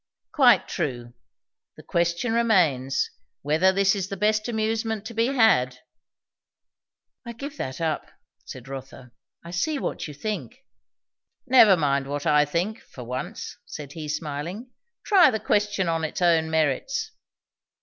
"Quite true. The question remains, whether this is the best amusement to be had." "I give that up," said Rotha. "I see what you think." "Never mind what I think for once," said he smiling. "Try the question on its own merits."